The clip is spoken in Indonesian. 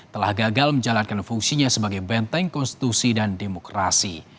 telah gagal menjalankan fungsinya sebagai benteng konstitusi dan demokrasi